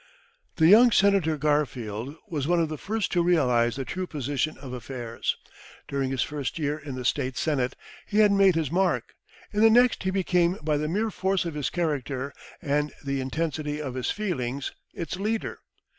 The young Senator Garfield was one of the first to realise the true position of affairs. During his first year in the State Senate he had made his mark, in the next he became by the mere force of his character and the intensity of his feelings its leader.